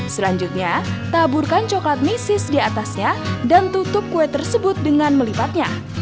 selanjutnya taburkan coklat misis di atasnya dan tutup kue tersebut dengan melipatnya